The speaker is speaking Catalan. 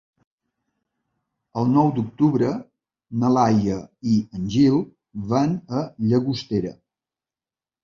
El nou d'octubre na Laia i en Gil van a Llagostera.